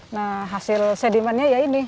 nah hasil sedimennya ya ini